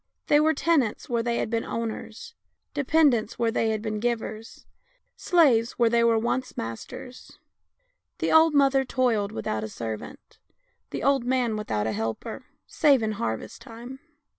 They were tenants where they had been owners, dependents where they had been givers, slaves where once they were masters. The old mother toiled without a servant, the old man without a helper, save in harvest time.